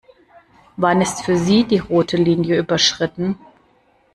Wann ist für Sie die rote Linie überschritten?